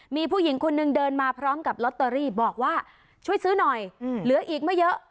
มีผู้หญิงคนนึงเดินมาพร้อมกับลอตเตอรี่บอกว่าช่วยซื้อหน่อยเหลืออีกไม่เยอะ